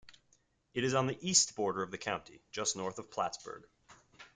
It is on the east border of the county, just north of Plattsburgh.